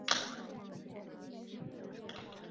清水县是美国明尼苏达州北部的一个县。